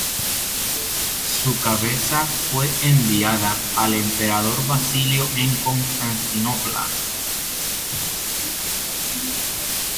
Su cabeza fue enviada al emperador Basilio en Constantinopla.